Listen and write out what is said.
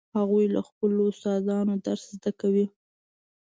هغوی له خپلو استادانو درس زده کوي